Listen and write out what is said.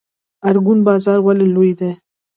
ارګون بازار ولې لوی دی؟